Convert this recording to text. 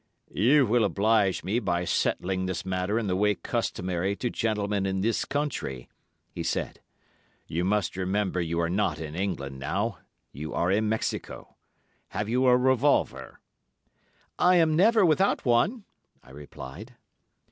"'You will oblige me by settling this matter in the way customary to gentlemen in this country,' he said. 'You must remember you are not in England now; you are in Mexico. Have you a revolver?' "'I am never without one,' I replied.